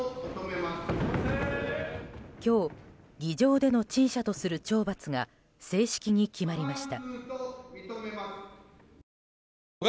今日、議場での陳謝とする懲罰が正式に決まりました。